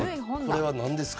これは何ですか？